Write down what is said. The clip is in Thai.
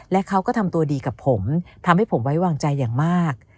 และเขาก็ทำตัวดีกับผมทำให้ผมไว้วางใจอย่างมาก